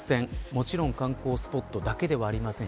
もちろん観光スポットだけではありません。